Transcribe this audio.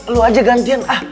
lu aja gantian